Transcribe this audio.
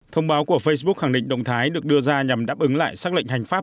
thông báo của facebook khẳng định động thái được đưa ra nhằm đáp ứng lại xác lệnh hành pháp